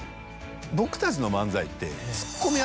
僕たちの漫才って。